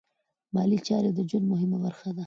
مالي چارې د ژوند مهمه برخه ده.